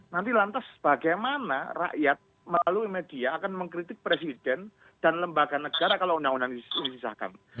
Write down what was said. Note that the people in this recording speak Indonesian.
nanti lantas bagaimana rakyat melalui media akan mengkritik presiden dan lembaga negara kalau undang undang ini disahkan